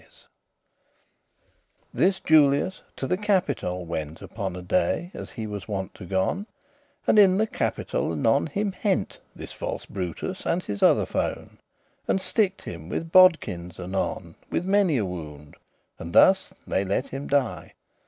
*daggers tell This Julius to the Capitole went Upon a day, as he was wont to gon; And in the Capitol anon him hent* *seized This false Brutus, and his other fone,* *foes And sticked him with bodekins anon With many a wound, and thus they let him lie.